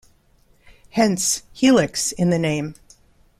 Hence "helix" in the name.